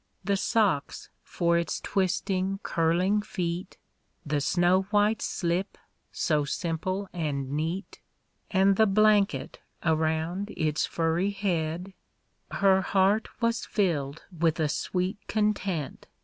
The socks for its twisting, curling feet. The snow white slip, so simple and neat. And the blanket around its furry head ‚ÄĒ Her heart was filled with a sweet content.